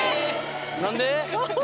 何で？